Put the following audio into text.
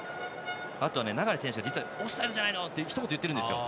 あとは、流選手がオフィシャルじゃないの！ってひと言、言ってるんですよ。